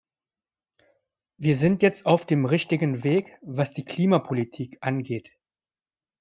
Wir sind jetzt auf dem richtigen Weg, was die Klimapolitik angeht.